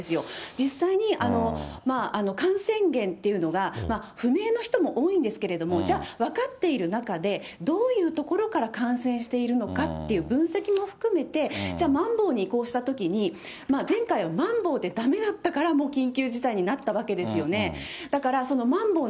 実際に感染源っていうのが、不明の人も多いんですけれども、じゃあ、分かっている中で、どういうところから感染しているのかっていう、分析も含めて、じゃあ、まん防に移行したときに、前回はまん防でだめだったから、もう緊急事態になったわけですよね。